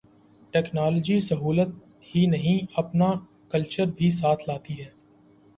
Technology سہولت ہی نہیں، اپنا کلچر بھی ساتھ لاتی ہے۔